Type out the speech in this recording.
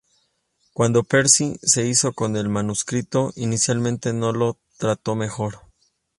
Cuando Percy se hizo con el manuscrito, inicialmente no lo trató mejor.